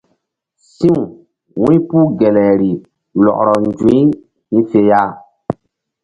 Si̧w wu̧ypuh gelayri lɔkrɔ nzu̧y hi̧ fe ya.